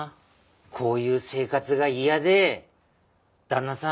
こういう生活が嫌で旦那さん